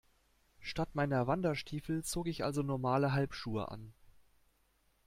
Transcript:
Statt meiner Wanderstiefel zog ich also normale Halbschuhe an.